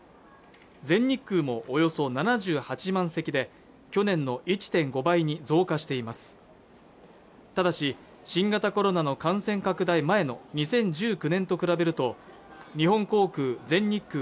全日空もおよそ７８万席で去年の１．５倍に増加していますただし新型コロナの感染拡大前の２０１９年と比べると日本航空、全日空